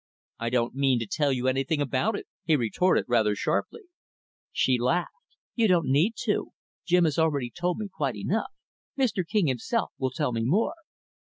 "I don't mean to tell you anything about it," he retorted rather sharply. She laughed. "You don't need to. Jim has already told me quite enough. Mr. King, himself, will tell me more."